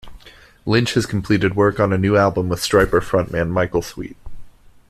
Lynch has completed work on a new album with Stryper frontman Michael Sweet.